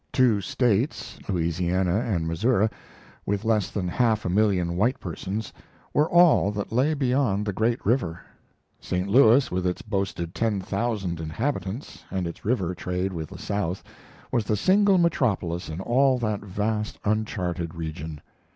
Two States, Louisiana and Missouri, with less than half a million white persons, were all that lay beyond the great river. St. Louis, with its boasted ten thousand inhabitants and its river trade with the South, was the single metropolis in all that vast uncharted region.